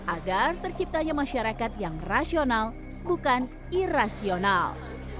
agar terciptanya masyarakat yang rasional bukan irasional